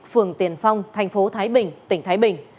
phường tiền phong thành phố thái bình tỉnh thái bình